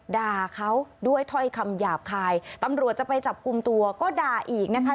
ด่าเขาด้วยถ้อยคำหยาบคายตำรวจจะไปจับกลุ่มตัวก็ด่าอีกนะคะ